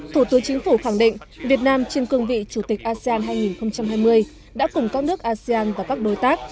thủ tướng chính phủ khẳng định việt nam trên cương vị chủ tịch asean hai nghìn hai mươi đã cùng các nước asean và các đối tác